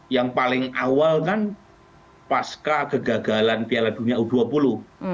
yang paling awal kan pasca kegagalan piala dunia u dua puluh